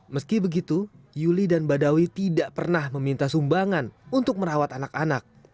meski begitu yuli dan badawi tidak pernah meminta sumbangan untuk merawat anak anak